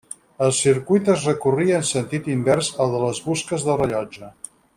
El circuit es recorria en sentit invers al de les busques del rellotge.